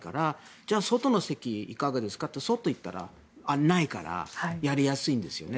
じゃあ、外の席いかがですか？というから外の席はないからやりやすいんですよね。